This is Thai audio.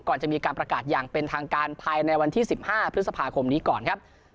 ก่อนจะมีการประกาศอย่างเป็นทางการภายในวันที่๑๕พฤษภาคมนี้ก่อนครับ